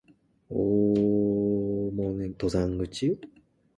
大楠登山口